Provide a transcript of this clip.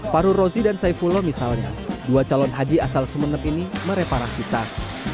faru rozi dan saifullah misalnya dua calon haji asal sumeneb ini mereparasi tas